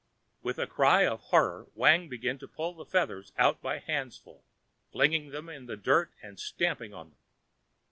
With a cry of horror, Wang began to pull the feathers out by handfuls, flinging them in the dirt and stamping on them.